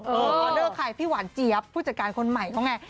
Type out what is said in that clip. ออเดอร์ใครพี่หวานเจี๊ยบผู้จัดการคนใหม่เขาไง